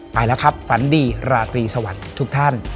ไปแล้วครับฝันดีราตรีสวัสดีทุกท่าน